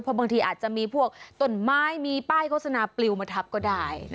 บางทีอาจจะมีพวกต้นไม้มีป้ายโฆษณาปลิวมาทับก็ได้